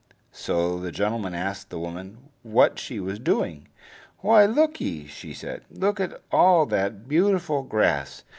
So the gentleman asked the woman what she was doing. "Why, lookye," she said, "look at all that beautiful grass.